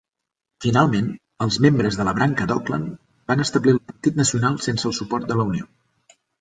Finalment, els membres de la branca d'Auckland van establir el Partit Nacional sense el suport de la Unió.